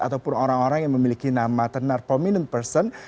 ataupun orang orang yang memiliki nama tenar prominent person